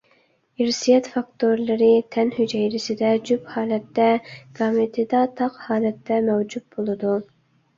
ئىرسىيەت فاكتورلىرى تەن ھۈجەيرىسىدە جۈپ ھالەتتە، گامېتىدا تاق ھالەتتە مەۋجۇت بولىدۇ.